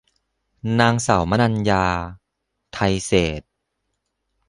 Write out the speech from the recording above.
นางสาวมนัญญา ไทยเศรษฐ์